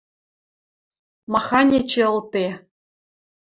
Махань эче ылде